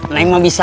lain mau bisa